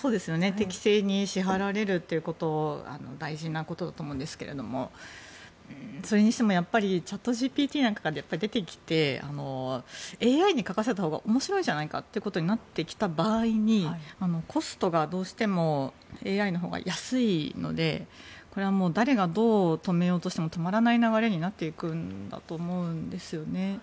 適正に支払われるということは大事なことだと思うんですけどそれにしてもチャットＧＰＴなんかが出てきてＡＩに書かせたほうが面白いじゃないかとなってきた場合にコストがどうしてもＡＩのほうが安いのでこれは誰がどう止めようとしても止まらない流れになっていくんだと思うんですよね。